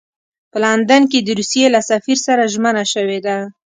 په لندن کې د روسیې له سفیر سره ژمنه شوې ده.